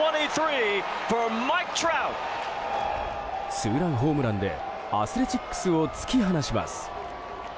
ツーランホームランでアスレチックスを突き放します。